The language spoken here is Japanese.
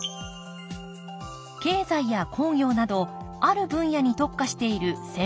経済や工業などある分野に特化している専門紙などです。